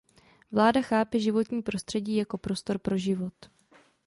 Vláda chápe životní prostředí jako prostor pro život.